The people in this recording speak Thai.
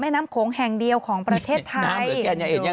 น้ำโขงแห่งเดียวของประเทศไทย